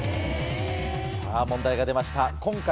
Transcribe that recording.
さぁ問題が出ました。